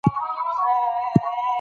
او د مرکې لپاره منتظر شئ.